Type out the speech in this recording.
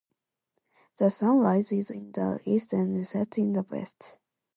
The sun rises in the east and sets in the west.